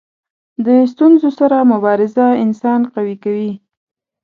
د ستونزو سره مبارزه انسان قوي کوي.